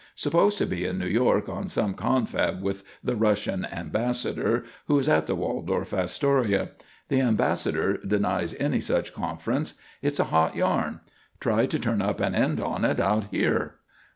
Supposed to be in New York on some confab with the Russian Ambassador who is at the Waldorf Astoria. The Ambassador denies any such conference. It's a hot yarn. Try to turn up an end on it out here."